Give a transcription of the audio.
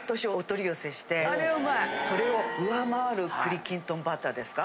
それを上回る栗きんとんバターですか。